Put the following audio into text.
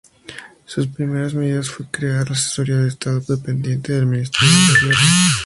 Sus primeras medidas fue crear la Asesoría de Estado dependiente del ministerio de gobierno.